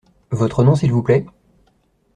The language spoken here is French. Votre nom, s’il vous plait ?